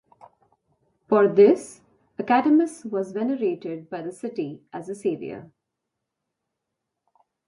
For this, Akademos was venerated by the city as a savior.